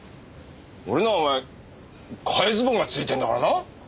俺のはお前替えズボンがついてんだからな。